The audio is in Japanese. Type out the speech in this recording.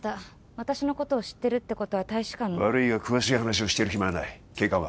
私のことを知ってるってことは大使館の悪いが詳しい話をしてる暇はない警官は？